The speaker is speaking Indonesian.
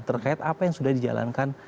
terkait apa yang sudah dijalankan